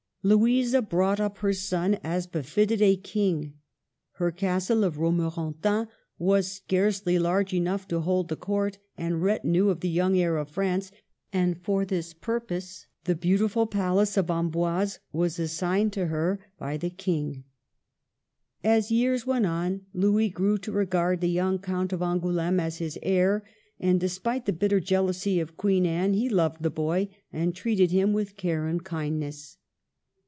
Louisa brought up her son as befitted a king. Her Castle of Romorantin was scarcely large enough to hold the court and retinue of the young heir of France, and for this purpose the beautiful palace of Amboise was assigned to her 22 MARGARET OF ANGOULEME. by the King. As years went on, Louis grew to regard the young Count of Angouleme as his heir, and, despite the bitter jealousy of Queen Anne, he loved the boy, and treated him with care and kindness.